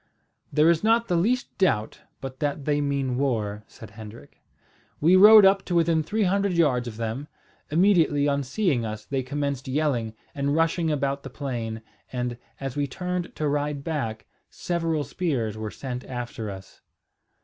"There is not the least doubt but that they mean war," said Hendrik. "We rode up to within three hundred yards of them. Immediately on seeing us they commenced yelling, and rushing about the plain; and, as we turned to ride back, several spears were sent after us."